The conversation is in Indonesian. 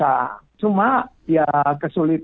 cuma ya kesulitanya yang namanya lembaga seperti itu kan non profit